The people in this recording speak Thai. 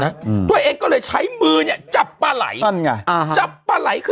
ทุกนับตัวเองก็เลยใช้มือจับปลาไหล็ก